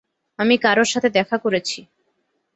আমি কারো সাথে দেখা করেছি।